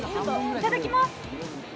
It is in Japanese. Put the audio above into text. いただきます！